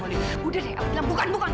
udah deh aku bilang bukan bukan